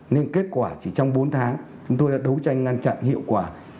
nên kết quả chỉ trong bốn tháng chúng tôi đã đấu tranh ngăn chặn hiệu quả